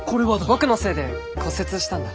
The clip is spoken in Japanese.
僕のせいで骨折したんだ。